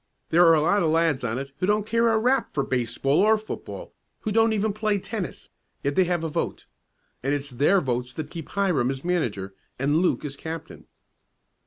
There are a lot of lads on it who don't care a rap for baseball or football, who don't even play tennis, yet they have a vote, and it's their votes that keep Hiram as manager, and Luke as captain."